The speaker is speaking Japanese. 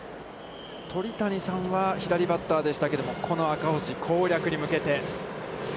鳥谷さんは左バッターでしたけれども、この赤星、攻略に向けて。